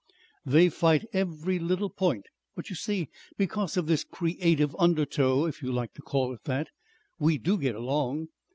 "They fight every little point. But, you see, because of this creative undertow if you like to call it that we do get along.